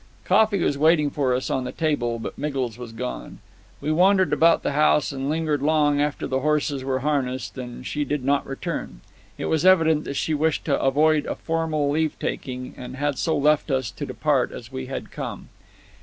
Coffee was waiting for us on the table, but Miggles was gone. We wandered about the house and lingered long after the horses were harnessed, but she did not return. It was evident that she wished to avoid a formal leave taking, and had so left us to depart as we had come.